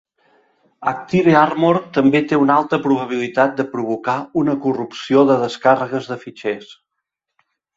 ActiveArmor també té una alta probabilitat de provocar una corrupció de descàrregues de fitxers.